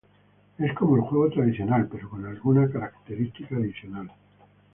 Es como el juego tradicional, pero con alguna característica adicional.